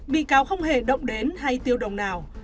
bị cáo không hề động đến hay tiêu đồng nào